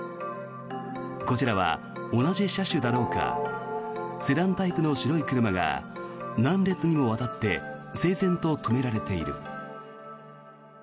こちらは同じ車種だろうかセダンタイプの白い車が何列にもわたって整然と止められている。